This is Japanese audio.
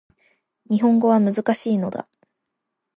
日本語は難しいのだ